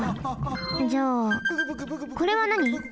じゃあこれはなに？